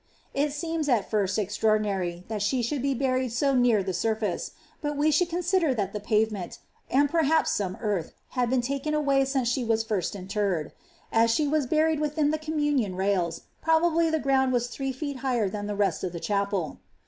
"It arema, at tint, e^itraordinan'. that she sliould be buried su near ihvBurfaco: bui we should consider thai ihe paTemeul, and perhaps •eme earth, had been taken away since she was lirsl interred As she was buried wiiliin the communion rails, probably the ground was ihrra feet higher than the reat of the chapel.